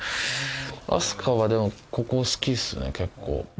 明日香はでもここ好きですね結構。